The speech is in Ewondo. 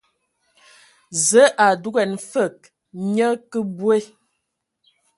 Zǝǝ a dugan fǝg nye kǝ bwe.